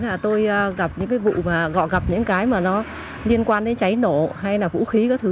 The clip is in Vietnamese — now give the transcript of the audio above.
là tôi gặp những cái vụ mà họ gặp những cái mà nó liên quan đến cháy nổ hay là vũ khí các thứ